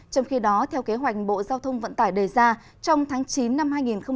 trong khi đó theo kế hoạch bộ giao thông vận tải đề ra trong tháng chín năm hai nghìn hai mươi